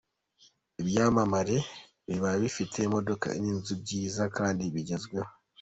Ibyamamare biba bifite imodoka n’inzu byiza kandi bigezweho.